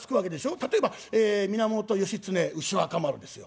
例えば源義経牛若丸ですよ。